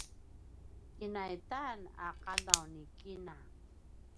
kinaitan a qadav ni kina